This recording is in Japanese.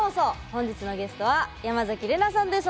本日のゲストは山崎怜奈さんです。